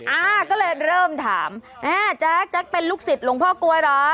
อ่าก็เลยเริ่มถามอ่าแจ๊คแจ๊กเป็นลูกศิษย์หลวงพ่อกลวยเหรอ